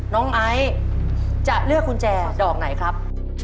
น้องไอ้จะเลือกกุญแจดอกไหนครับ